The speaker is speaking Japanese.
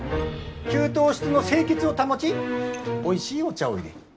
給湯室の清潔を保ちおいしいお茶をいれ。